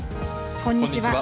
こんにちは。